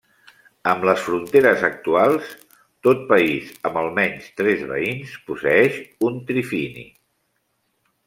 Amb les fronteres actuals, tot país amb almenys tres veïns posseeix un trifini.